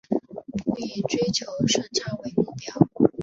不以追求顺差为目标